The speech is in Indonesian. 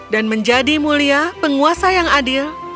dan menjadi mulia penguasa yang adil